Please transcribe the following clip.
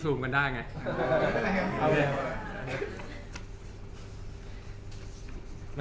จากความไม่เข้าจันทร์ของผู้ใหญ่ของพ่อกับแม่